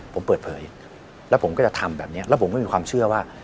ผมเปิดเผยแล้วผมก็จะทำแบบนี้แล้วผมก็มีความเชื่อว่า